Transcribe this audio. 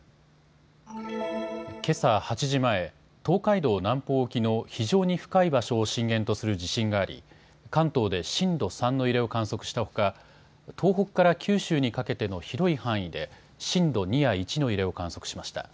けさ８時前、東海道南方沖の非常に深い場所を震源とする地震があり関東で震度３の揺れを観測したほか東北から九州にかけての広い範囲で震度２や１の揺れを観測しました。